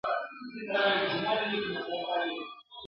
نجوني له کلونو راهیسي د زده کړو غوښتنه کوي.